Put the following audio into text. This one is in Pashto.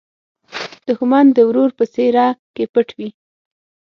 دښمن د ورور په څېره کې پټ وي